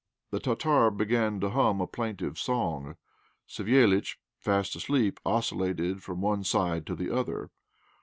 The Tartar began to hum a plaintive song; Savéliitch, fast asleep, oscillated from one side to the other.